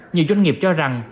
nhiều doanh nghiệp cho rằng